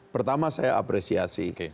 pertama saya apresiasi